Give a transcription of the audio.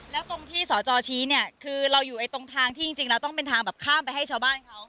แล้วตรงที่สจชี้เนี่ยคือเราอยู่ตรงทางที่จริงแล้วต้องเป็นทางแบบข้ามไปให้ชาวบ้านเขา